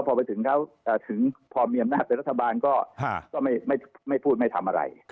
พอไปถึงเขาถึงพอมีอำนาจเป็นรัฐบาลก็ไม่พูดไม่ทำอะไร